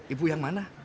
ibu yang mana